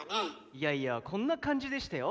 いやいやこんな感じでしたよ。